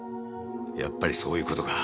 やっぱりそういうことか。